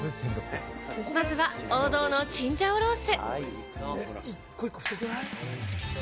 まずは王道のチンジャオロース。